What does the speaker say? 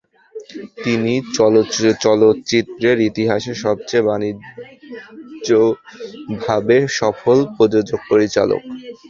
তিনি চলচ্চিত্রের ইতিহাসের সবচেয়ে বাণিজ্যিকভাবে সফল প্রযোজক-পরিচালক।